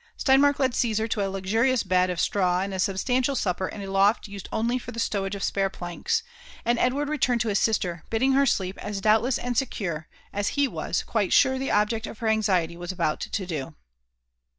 Steinmark led Caesar to a luxurious bed of straw and a substantial supper in a loft used only for the stowage of spare planks; and Edward returned to his sister, bidding her sleep ag " doubtless and secure" as he was quite sure the object of her anxi* ety was about to do